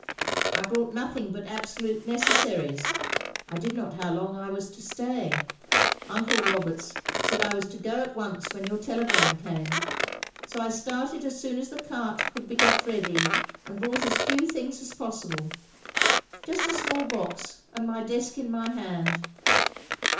"I brought nothing but absolute necessaries. I did not know how long I was to stay. Uncle Roberts said I was to go at once when your telegram came; so I started as soon as the cart could be got ready, and brought as few things as J 24 THE LONELY LADY possible. Just a small box, and my desk in my hand."